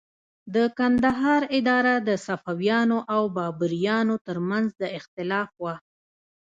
د کندهار اداره د صفویانو او بابریانو تر منځ د اختلاف وه.